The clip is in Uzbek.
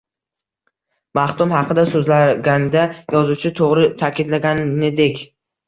Maxdum haqida so’zlaganda, yozuvchi to’g’ri ta’kidlaganidek